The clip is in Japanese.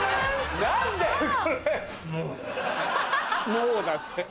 「もぉ」だって。